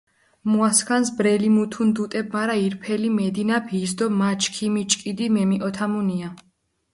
მუასქანს ბრელი მუთუნ დუტებ, მარა ირფელი მედინაფჷ ის დო მა ჩქიმი ჭკიდი მემიჸოთამუნია.